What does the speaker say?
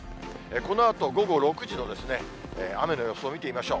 このあと午後６時の雨の予想を見てみましょう。